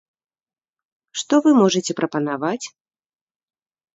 Што вы можаце прапанаваць?